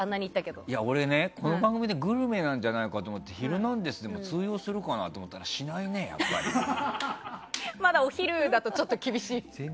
俺、この番組でグルメなんじゃないかと思って「ヒルナンデス！」でも通用するかなと思ったらまだお昼だとちょっと厳しい。